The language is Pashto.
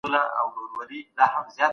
د پاني پت په ډګر کي چا برید پیل کړ؟